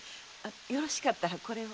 よろしかったらこれを。